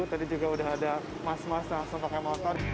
tadi juga udah ada mas emas langsung pakai motor